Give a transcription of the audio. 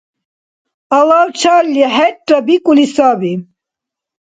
Алавчарли хӀерра бикӀули саби.